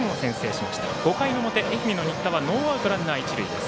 ５回の表、愛媛の新田はノーアウト、ランナー、一塁です。